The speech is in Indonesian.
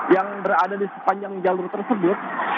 yang berada di sepanjang jalur tersebut